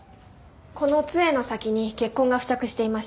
この杖の先に血痕が付着していました。